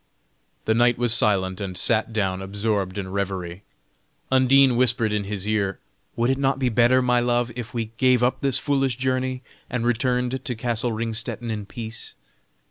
The knight was silent, and sat down absorbed in revery. Undine whispered in his ear: "Would it not be better, my love, if we gave up this foolish journey, and returned to castle Ringstetten in peace?"